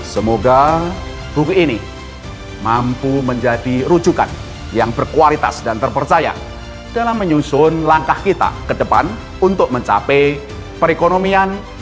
semoga buku ini mampu menjadi rujukan yang berkualitas dan terpercaya dalam menyusun langkah kita ke depan untuk mencapai perekonomian